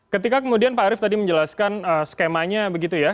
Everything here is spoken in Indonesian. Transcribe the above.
ketika kemudian pak arief tadi menjelaskan skemanya begitu ya